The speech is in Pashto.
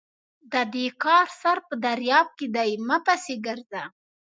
د دې کار سر په درياب کې دی؛ مه پسې ګرځه!